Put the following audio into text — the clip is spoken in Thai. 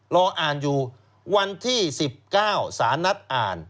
รออ่านอยู่วันที่๑๙สารนัดอ่าน